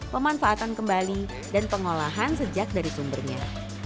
pemanfaatan kembali dan pengolahan sejak dari sumbernya